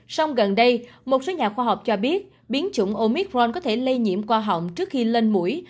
song gần đây một số nhà khoa học cho biết biến chủng omicron có thể lây nhiễm qua họ hỏng trước khi lên mũi